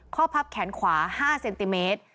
พับแขนขวา๕เซนติเมตร